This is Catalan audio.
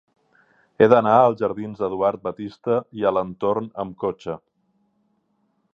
He d'anar als jardins d'Eduard Batiste i Alentorn amb cotxe.